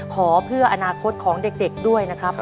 ขอเพื่ออนาคตของเด็กด้วยนะครับ